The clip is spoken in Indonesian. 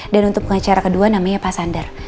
dan untuk pengacara kedua namanya pak sander